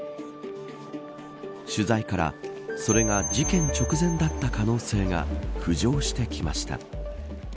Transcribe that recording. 取材から、それが事件直前だった可能性が浮上してきました。